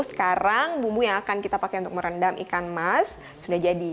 sekarang bumbu yang akan kita pakai untuk merendam ikan emas sudah jadi